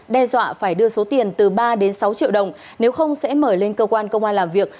đe dọa phải đưa số tiền từ ba đến sáu triệu đồng nếu không sẽ mở lên cơ quan công an làm việc